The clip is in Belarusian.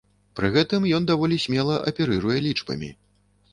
Пры гэтым ён даволі смела аперыруе лічбамі.